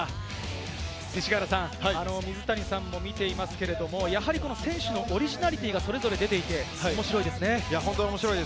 勅使川原さん、水谷さんも見ていますけれども、選手のオリジナリティーがそれぞれ出ていて面白いですね。